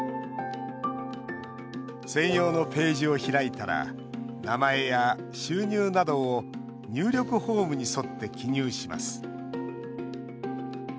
専用のページを開いたら名前や収入などを入力フォームに沿って記入します。